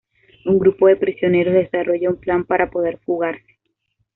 Un grupo de prisioneros desarrolla un plan para poder fugarse.